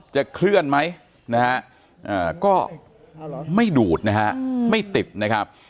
เคลื่อนไหมนะฮะก็ไม่ดูดนะฮะไม่ติดนะครับ